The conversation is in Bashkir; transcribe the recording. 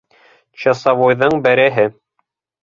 Часовойҙың береһе: